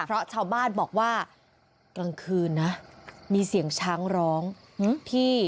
เพราะชาวบ้านบอกว่ากลางคืนนะมีเสียงช้างร้องที่